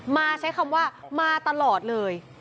มาใช้คำว่ามาตลอดเลย